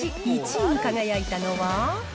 １位に輝いたのは。